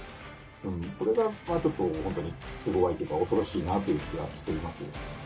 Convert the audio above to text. これがちょっと本当に手ごわいというか、恐ろしいなという気がしています。